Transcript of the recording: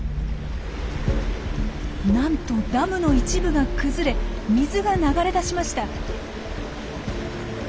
なんとダムの一部が崩れ水が流れ出しました。